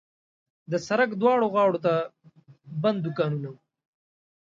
د سړک دواړو غاړو ته بند دوکانونه وو.